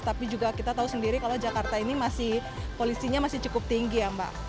tapi juga kita tahu sendiri kalau jakarta ini masih polisinya masih cukup tinggi ya mbak